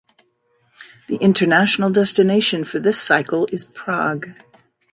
The international destination for this cycle is Prague.